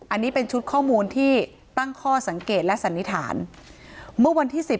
อันนี้เป็นชุดข้อมูลที่ตั้งข้อสังเกตและสันนิษฐานเมื่อวันที่สิบ